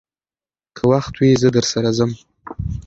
که وخت وي، زه درسره ځم.